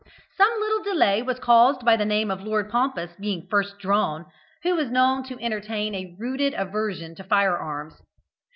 Some little delay was caused by the name of Lord Pompous being first drawn, who was known to entertain a rooted aversion to fire arms.